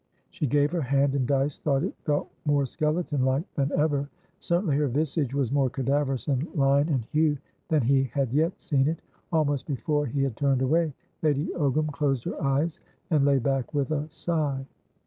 She gave her hand, and Dyce thought it felt more skeleton like than ever. Certainly her visage was more cadaverous in line and hue than he had yet seen it. Almost before he had turned away, Lady Ogram closed her eyes, and lay back with a sigh.